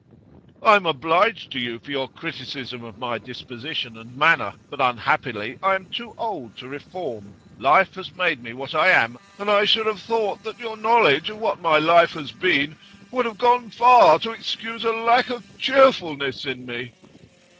'I am obliged to you for your criticism of my disposition and manner, but unhappily I am too old to reform. Life has made me what I am, and I should have thought that your knowledge of what my life has been would have gone far to excuse a lack of cheerfulness in me.